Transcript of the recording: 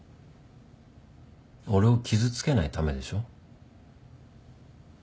俺を傷つけないためでしょ？